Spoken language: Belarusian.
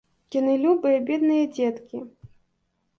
Яны любыя, бедныя дзеткі.